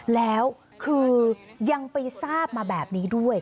แล้วคือยังไปทราบมาแบบนี้ด้วย